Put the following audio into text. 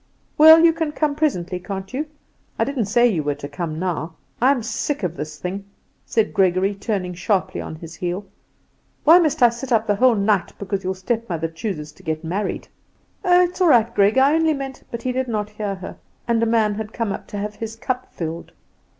"Well, you can come presently, can't you? I didn't say you were to come now. I'm sick of this thing," said Gregory, turning sharply on his heel. "Why must I sit up the whole night because your stepmother chooses to get married?" "Oh, it's all right, Greg, I only meant " But he did not hear her, and a man had come up to have his cup filled.